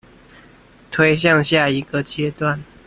推向下一個階段